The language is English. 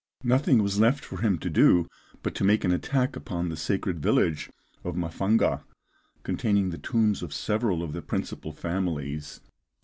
Nothing was left for him to do but to make an attack upon the sacred village of Mafanga, containing the tombs of several of the principal families.